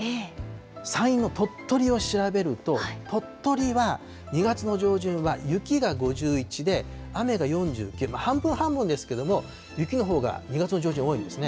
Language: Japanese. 山陰の鳥取を調べると、鳥取は２月の上旬は雪が５１で雨が４９、半分半分ですけど、雪のほうが２月の上旬、多いんですね。